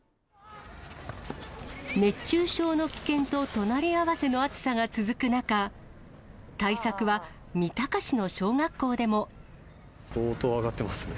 熱中症の危険と隣り合わせの暑さが続く中、相当上がってますね。